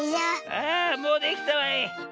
あもうできたわい。